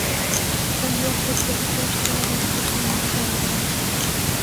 Con viajes desierto haras tus sueños realidad.